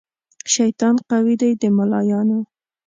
شیطان قوي دی د ملایانو